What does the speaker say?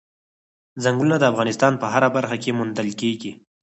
ځنګلونه د افغانستان په هره برخه کې موندل کېږي.